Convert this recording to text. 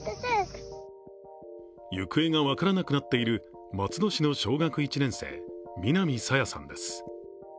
行方が分からなくなっている松戸市の小学１年生、南朝芽さんです。